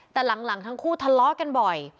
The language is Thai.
แต่หลังทั้งคู่ทะเลาะกันบ่อย